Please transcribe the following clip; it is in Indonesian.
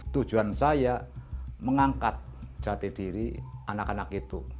tujuan saya mengangkat jati diri anak anak itu